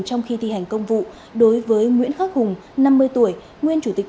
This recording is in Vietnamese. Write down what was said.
trong khi thi hành công vụ đối với nguyễn khắc hùng năm mươi tuổi nguyên chủ tịch